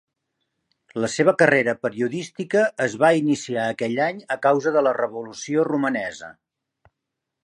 La seva carrera periodística es va iniciar aquell any a causa de la revolució romanesa.